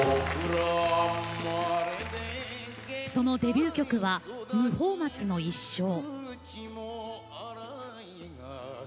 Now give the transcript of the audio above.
そのデビュー曲は「無法松の一生」。